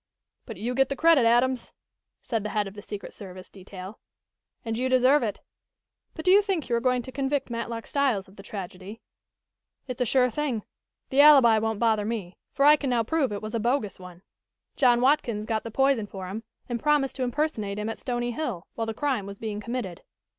"But you get the credit, Adams," said the head of the secret service detail. "And you deserve it. But do you think you are going to convict Matlock Styles of the tragedy?" "It's a sure thing. The alibi won't bother me, for I can now prove it was a bogus one. John Watkins got the poison for him, and promised to impersonate him at Stony Hill, while the crime was being committed.